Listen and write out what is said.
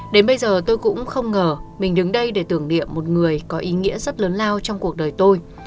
đến bây giờ tôi cũng không ngờ mình đứng đây để tưởng niệm một người có ý nghĩa rất lớn lao trong cuộc đời tôi